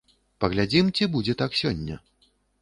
Паглядзім, ці будзе так сёння.